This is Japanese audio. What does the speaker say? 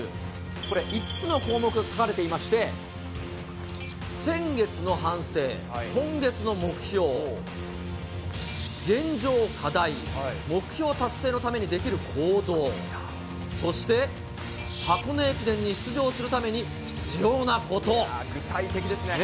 これ、５つの項目が書かれていまして、先月の反省、今月の目標、現状、課題、目標達成のために出来る行動、そして、箱根駅伝に出具体的ですね。